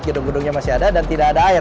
gedung gedungnya masih ada dan tidak ada air